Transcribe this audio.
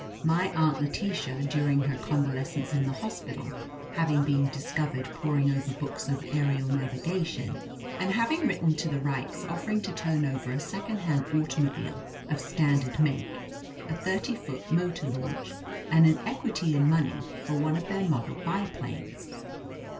My Aunt Letitia, during her con valescence in the hospital, having been dis covered poring over books of aerial navigation, j[ and having written to the Wrights, offering to turn over a second hand automobile of standard make, a thirty foot motor launch, and an equity in money, for one of their model bi planes.